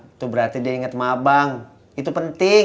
itu berarti dia ingat sama abang itu penting